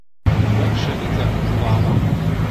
وەک شەهیدە گوڵاڵە